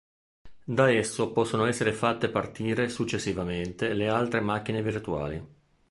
Da esso possono essere fatte partire successivamente le altre macchine virtuali.